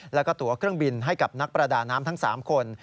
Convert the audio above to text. แล้วก็ตัวเครื่องบินให้กับนักประดาน้ำทั้ง๓คน